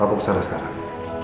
aku kesana sekarang